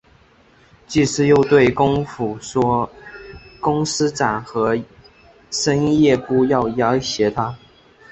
季姒又对公甫说公思展和申夜姑要挟她。